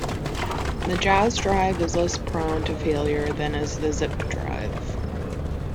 The Jaz drive is less prone to failure than is the Zip drive.